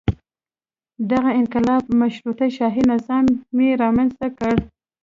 دغه انقلاب مشروطه شاهي نظام یې رامنځته کړ.